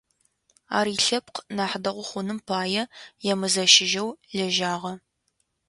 Ар, илъэпкъ нахь дэгъу хъуным пае, емызэщыжьэу лэжьагъэ.